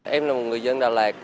em là một người dân đà lạt